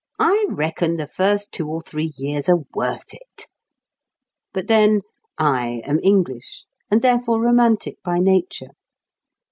I reckon the first two or three years are worth it." But, then, I am English, and therefore romantic by nature.